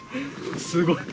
すごい。